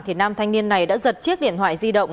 thì nam thanh niên này đã giật chiếc điện thoại di động